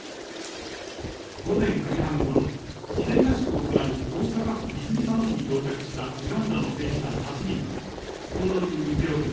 午前９時半頃、事前合宿を行う大阪府泉佐野市に到着したウガンダの選手団８人は、報道陣に手を振り